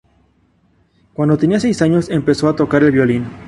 Cuando tenía seis años, empezó a tocar el violín.